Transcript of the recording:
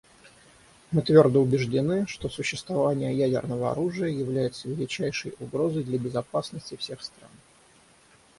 Мы твердо убеждены, что существование ядерного оружия является величайшей угрозой для безопасности всех стран.